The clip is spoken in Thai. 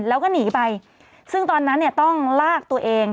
แล้วก็หนีไปซึ่งตอนนั้นเนี่ยต้องลากตัวเอง